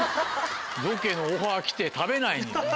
ロケのオファー来て食べない。